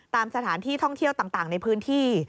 ตามสถานที่ท่องเที่ยวต่างในพื้นที่